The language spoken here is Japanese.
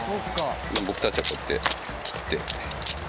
僕たちはこうやって切って。